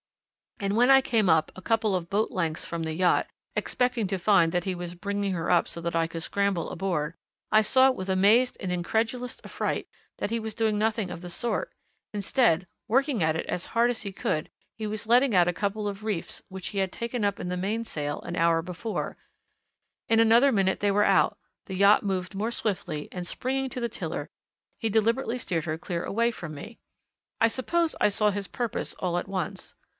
And when I came up, a couple of boat's lengths from the yacht, expecting to find that he was bringing her up so that I could scramble aboard, I saw with amazed and incredulous affright that he was doing nothing of the sort; instead, working at it as hard as he could go, he was letting out a couple of reefs which he had taken up in the mainsail an hour before in another minute they were out, the yacht moved more swiftly, and, springing to the tiller, he deliberately steered her clear away from me. I suppose I saw his purpose all at once.